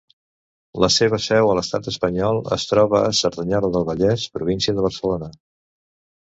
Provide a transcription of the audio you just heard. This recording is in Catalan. La seva seu a l'Estat espanyol es troba a Cerdanyola del Vallès, província de Barcelona.